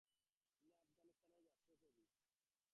তিনি আফগানিস্তানের জাতীয় কবি।